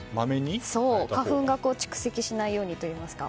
花粉が蓄積しないようにといいますか。